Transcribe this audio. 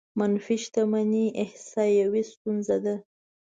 منفي شتمنۍ احصايوي ستونزه ده.